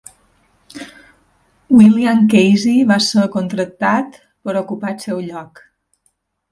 William Casey va ser contractat per ocupar el seu lloc.